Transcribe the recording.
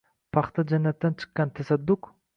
Paxta jannatdan chiqqan, tasadduq!